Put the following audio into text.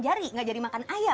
build at putri ya makassari